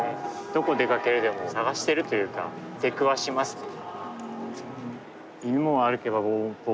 どこ出かけるでも探してるというか出くわしますね。